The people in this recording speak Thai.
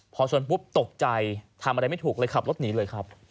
พอชนปุ๊บตกใจทำอะไรไม่ถูกเลยขับรถหนีเลยครับ